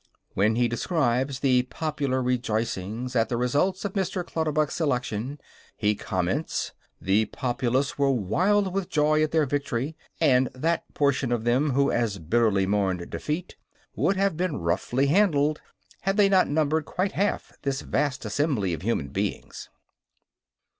When he describes the popular rejoicings at the result of Mr. Clutterbuck's election, he comments: "The populace were wild with joy at their victory, and that portion of them who as bitterly mourned defeat would have been roughly handled had they not numbered quite half this vast assembly of human beings."